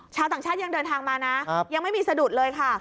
ชาวต่างชาติยังเดินทางมานะยังไม่มีสะดุดเลยค่ะ